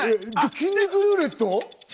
筋肉ルーレット？